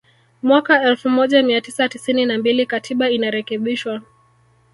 Mwaka elfu moja mia tisa tisini na mbili Katiba inarekebishwa